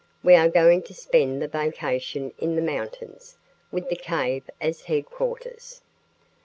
We are going to spend the vacation in the mountains, with the cave as headquarters.